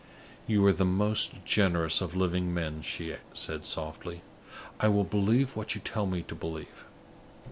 "You are the most generous of living men," she said, softly. "I will believe what you tell me to believe.